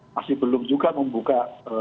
masih belum juga membuka